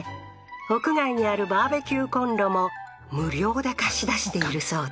屋外にあるバーベキューコンロも無料で貸し出しているそうだ